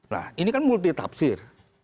nah ini kan multitapsir